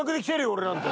俺なんて。